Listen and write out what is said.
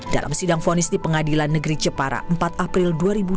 dalam sidang fonis di pengadilan negeri jepara empat april dua ribu dua puluh